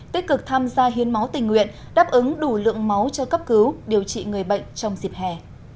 tích cực tham gia hiến máu tình nguyện đáp ứng đủ lượng máu cho cấp cứu điều trị người bệnh trong dịp hè